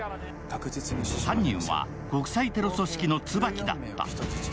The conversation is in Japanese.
犯人は国際テロ組織の椿だった。